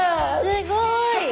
すごい。